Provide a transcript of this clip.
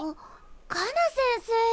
カナ先生。